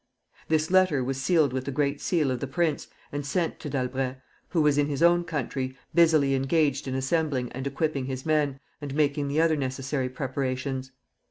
This letter was sealed with the great seal of the prince, and sent to D'Albret, who was in his own country, busily engaged in assembling and equipping his men, and making the other necessary preparations.